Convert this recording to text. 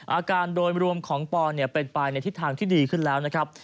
อาการโดยรวมของปอนเป็นไปในทิศทางที่ดีขึ้นแล้วนะครับ